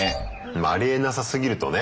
ありえなさすぎるとね。